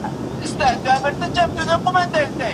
مهرباني د انسان په شخصیت کي ښکاري.